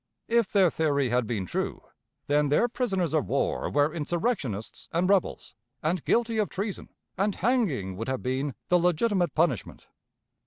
If their theory had been true, then their prisoners of war were insurrectionists and rebels, and guilty of treason, and hanging would have been the legitimate punishment.